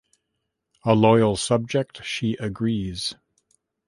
A loyal subject, she agrees.